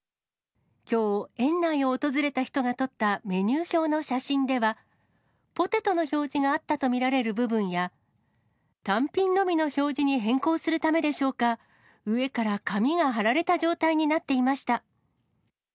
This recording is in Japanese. きょう、園内を訪れた人が撮ったメニュー表の写真では、ポテトの表示があったと見られる部分や、単品のみの表示に変更するためでしょうか、上から紙が貼られた状態になっていました。